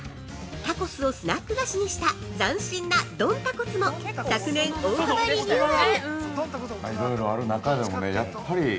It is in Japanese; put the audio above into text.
タコスをスナック菓子にした斬新な「ドンタコス」も昨年、大幅リニューアル！